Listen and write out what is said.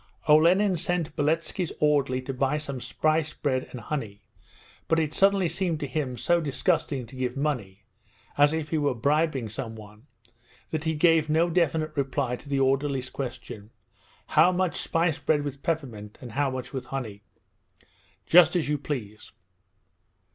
Olenin sent Beletski's orderly to buy spice bread and honey; but it suddenly seemed to him so disgusting to give money (as if he were bribing someone) that he gave no definite reply to the orderly's question: 'How much spice bread with peppermint, and how much with honey?' 'Just as you please.'